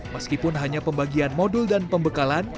meskipun hanya pembagian modul dan pembekalan